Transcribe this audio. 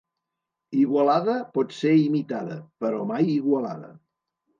Igualada pot ser imitada, però mai Igualada.